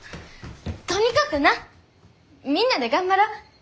とにかくなみんなで頑張ろう。